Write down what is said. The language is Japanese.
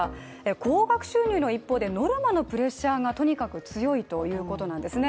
高額収入の一方で、ノルマのプレッシャーがとにかく強いということなんですね。